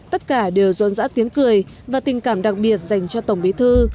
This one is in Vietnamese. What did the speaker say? tất cả đều rôn dã tiếng cười và tình cảm đặc biệt dành cho tổng bí thư